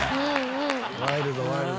ワイルドワイルド。